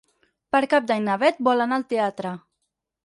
Per Cap d'Any na Bet vol anar al teatre.